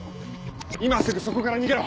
今すぐそこから逃げろ！